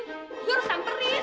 gue harus samperin